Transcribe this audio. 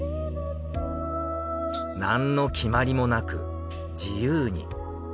何の決まりもなく自由に。